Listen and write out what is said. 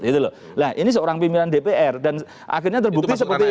nah ini seorang pimpinan dpr dan akhirnya terbukti seperti itu